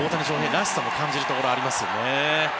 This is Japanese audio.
らしさも感じるところがありますよね。